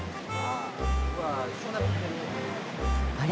あれ？